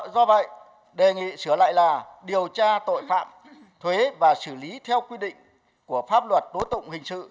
do vậy đề nghị sửa lại là điều tra tội phạm thuế và xử lý theo quy định của pháp luật đối tụng hình sự